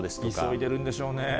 急いでるんでしょうね。